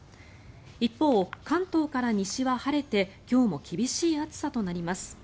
一方、関東から西は晴れて今日も厳しい暑さとなります。